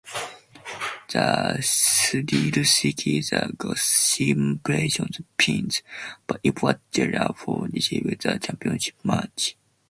The Thrillseekers got simultaneous pins, but it was Jeter who received the championship match.